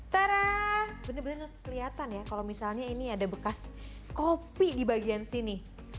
tadaaa bener bener keliatan ya kalau misalnya ini ada bekas kopi di bagian sini